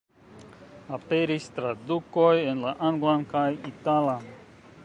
Aperis tradukoj en la anglan kaj italan.